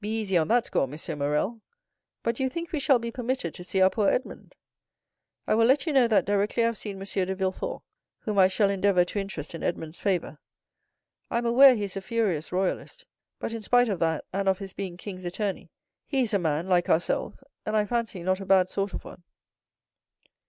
"Be easy on that score, M. Morrel; but do you think we shall be permitted to see our poor Edmond?" "I will let you know that directly I have seen M. de Villefort, whom I shall endeavor to interest in Edmond's favor. I am aware he is a furious royalist; but, in spite of that, and of his being king's attorney, he is a man like ourselves, and I fancy not a bad sort of one."